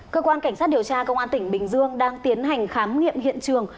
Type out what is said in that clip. cơ quan cảnh sát điều tra công an tỉnh bình dương đang tiến hành khám nghiệm hiện trường